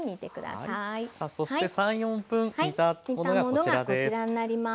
さあそして３４分煮たものがこちらです。